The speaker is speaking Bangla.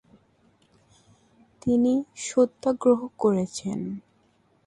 তিনি সত্যাগ্রহ করেছেন ।